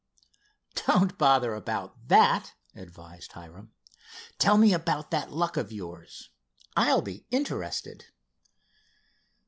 "Don't bother about that," advised Hiram. "Tell me about that luck of yours. I'll be interested."